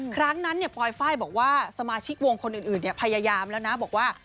ครั้งนั้นปลอยไฟล์บอกว่าสมาชิกวงคนอื่นพยายามแล้วนะบอกว่า